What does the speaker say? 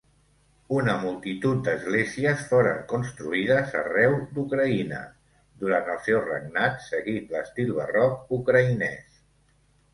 Una multitud d'esglésies foren construïdes arreu d'Ucraïna durant el seu regnat seguint l'estil barroc ucraïnès.